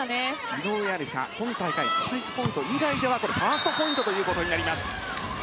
井上愛里沙今大会スパイクポイント以外ではファーストポイントとなります。